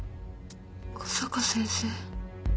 小坂先生。